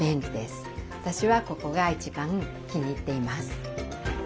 私はここが一番気に入っています。